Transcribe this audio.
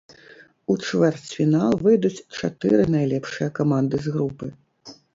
У чвэрцьфінал выйдуць чатыры найлепшыя каманды з групы.